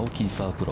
プロ。